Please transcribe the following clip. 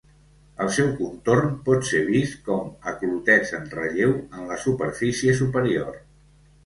El seu contorn pot ser vist com a clotets en relleu en la superfície superior.